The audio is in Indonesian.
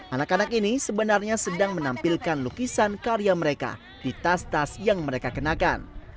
anak anak ini sebenarnya sedang menampilkan lukisan karya mereka di tas tas yang mereka kenakan